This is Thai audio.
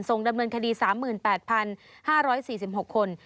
ดำเนินคดี๓๘๕๔๖คน